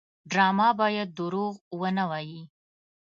ډرامه باید دروغ ونه وایي